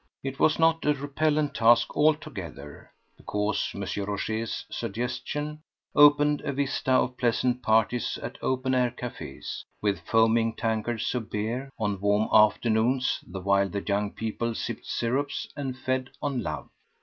It was not a repellent task altogether, because M. Rochez's suggestion opened a vista of pleasant parties at open air cafés, with foaming tankards of beer, on warm afternoons the while the young people sipped sirops and fed on love.